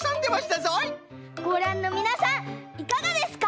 ごらんのみなさんいかがですか？